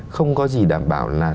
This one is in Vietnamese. không có gì đảm bảo là